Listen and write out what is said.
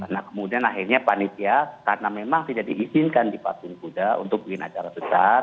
nah kemudian akhirnya panitia karena memang tidak diizinkan di patung kuda untuk bikin acara besar